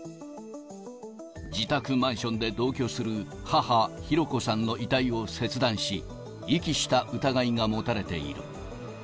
自宅マンションで同居する母、博子さんの遺体を切断し、遺棄した疑いが持たれている。